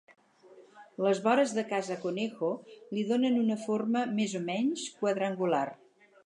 Les vores de Casa Conejo li donen una forma més o menys quadrangular.